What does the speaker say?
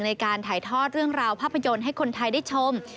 ในการถ่ายทอดเรื่องราวภาพยนตร์ให้คนไทยได้ชม